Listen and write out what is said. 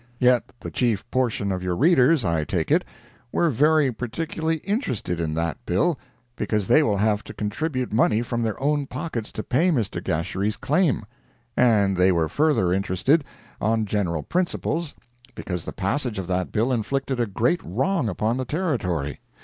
Yet the chief portion of your readers, I take it, were very particularly interested in that bill—because they will have to contribute money from their own pockets to pay Mr. Gasherie's claim; and they were further interested, on general principles, because the passage of that bill inflicted a great wrong upon the Territory.